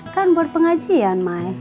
kan buat pengajian mai